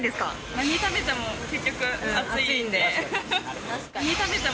何食べても結局暑いんで。